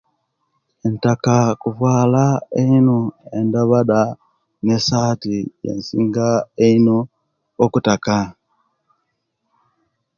Ntaka kuvala einu ndabada nesati je singa eino okutaka